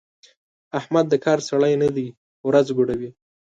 احمد د کار سړی نه دی؛ ورځ ګوډوي.